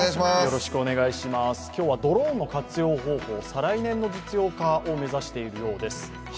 今日はドローンの活用方法、再来年の実用化を目指しているようです。